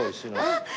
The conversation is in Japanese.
あっ！